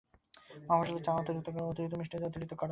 মফস্বলের চা অতিরিক্ত গরম, অতিরিক্ত মিষ্টি এবং অতিরিক্ত কড়া হয়।